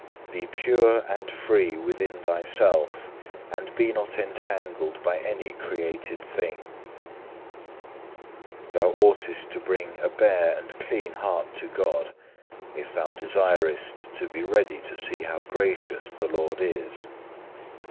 5. Be pure and free within thyself, and be not entangled by any created thing. Thou oughtest to bring a bare and clean heart to God, if thou desirest to be ready to see how gracious the Lord is.